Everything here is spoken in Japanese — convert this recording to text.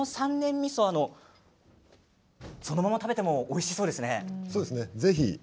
みそそのまま食べてもおいしそうですね。